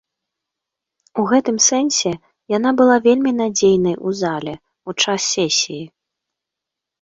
У гэтым сэнсе яна была вельмі надзейнай у зале, у час сесіі.